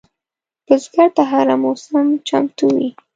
بزګر ته هره موسم چمتو وي